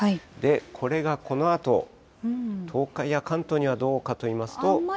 これがこのあと、東海や関東にはどうかといいますと。